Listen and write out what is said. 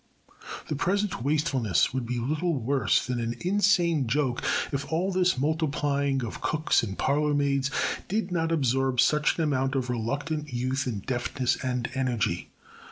The present wastefulness would be little worse than an insane joke if all this multiplying of cooks and parlourmaids did not absorb such an amount of reluctant youth and deftness and energy.